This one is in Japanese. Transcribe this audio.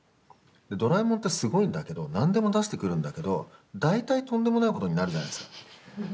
ドラえもんって、すごいんだけどなんでも出してくるんだけど大体とんでもないことになるじゃないですか。